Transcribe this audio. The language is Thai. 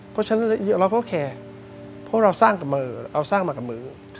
เพราะฉะนั้นเราก็แคร์เพราะเราสร้างมากับมือ